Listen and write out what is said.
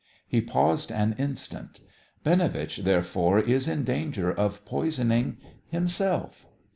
He paused an instant. "Binovitch, therefore, is in danger of poisoning himself."